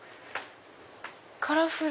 カラフル！